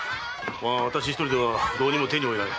私ひとりではどうにも手に負えない。